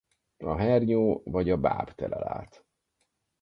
A hernyó vagy a báb telel át.